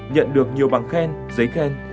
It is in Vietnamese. nhận được nhiều bằng khen giấy khen